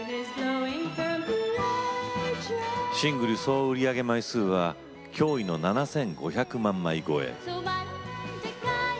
シングル総売り上げ枚数は驚異の７５００万枚超え。